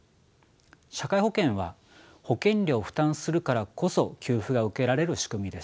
社会保険は保険料を負担するからこそ給付が受けられる仕組みです。